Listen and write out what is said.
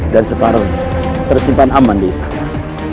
dan separuhnya tersimpan aman di istana